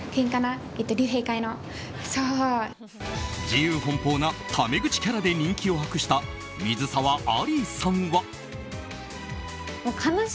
自由奔放なタメ口キャラで人気を博した水沢アリーさんは。